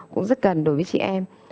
cũng rất cần đối với chị em